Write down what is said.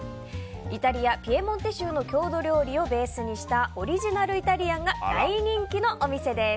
イタリア・ピエモンテ州の郷土料理をベースにしたオリジナルイタリアンが大人気のお店です。